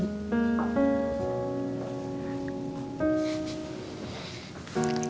aku percaya tadi itu kamu sayang